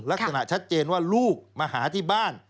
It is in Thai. ลักษณะชัดเจนว่าลูกมาหาที่บ้าน